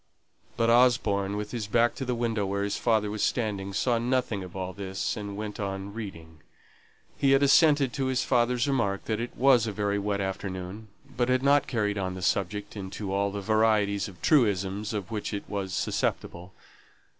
But Osborne, with his back to the window where his father was standing, saw nothing of all this, and went on reading. He had assented to his father's remark that it was a very wet afternoon, but had not carried on the subject into all the varieties of truisms of which it was susceptible.